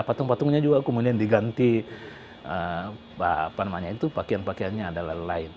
patung patungnya juga kemudian diganti pakaian pakaiannya adalah lain